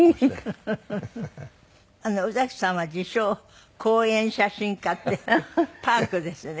宇崎さんは自称公園写真家ってパークですよね。